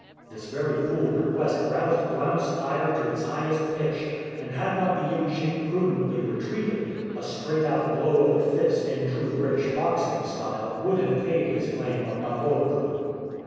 This very cool request roused Blount's ire to its highest pitch, and had not the iemschik prudently retreated, a straight out blow of the fist, in true British boxing style, would have paid his claim of "na vodkou."